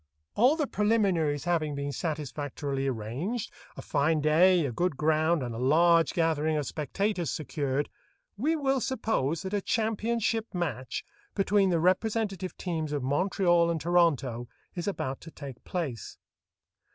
All the preliminaries having been satisfactorily arranged, a fine day, a good ground, and a large gathering of spectators secured, we will suppose that a championship match between the representative teams of Montreal and Toronto is about to take place.